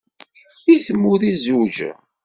Deg tmurt i tzewǧem?